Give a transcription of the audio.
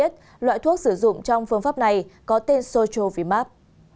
thuốc sử dụng trong phương pháp này có tên sotrovimab